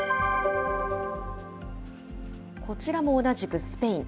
こちらも同じくスペイン。